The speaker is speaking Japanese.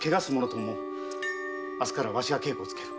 明日からわしが稽古をつける。